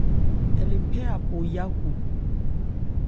Ɛ le phɛ́ Apo yákhu.